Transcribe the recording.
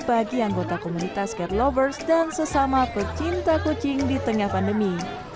bagi anggota komunitas cat lovers dan sesama pecinta kucing di tengah pandemi